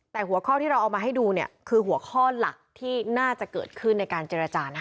แต่หัวข้อที่เราเอามาให้ดูเนี่ยคือหัวข้อหลักที่น่าจะเกิดขึ้นในการเจรจานะคะ